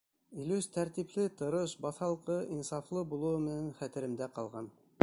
Илүс тәртипле, тырыш, баҫалҡы, инсафлы булыуы менән хәтеремдә ҡалған.